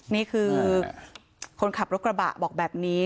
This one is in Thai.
นี่คือคนขับรถกระบะบอกแบบนี้